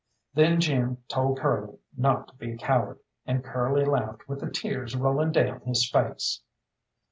Then Jim told Curly not to be a coward, and Curly laughed with the tears rolling down his face.